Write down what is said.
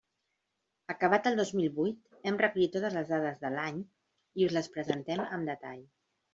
Acabat el dos mil vuit hem recollit totes les dades de l'any i us les presentem amb detall.